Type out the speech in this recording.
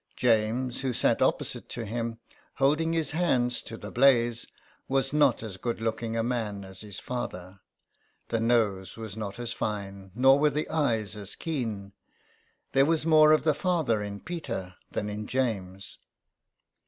James, who sat opposite to him, holding his hands to the blaze, was not as good looking a man as his father, the nose was not as fine, nor were the eyes as keen. There was more of the father in Peter than in James.